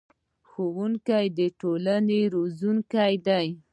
ښوونکي د ټولنې روزونکي دي